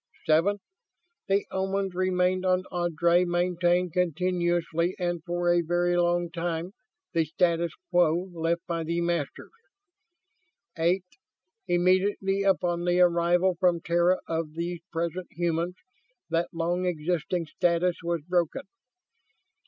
Seventh, the Omans remaining on Ardry maintained, continuously and for a very long time, the status quo left by the Masters. Eighth, immediately upon the arrival from Terra of these present humans, that long existing status was broken.